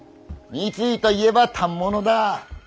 三井といえば反物だ。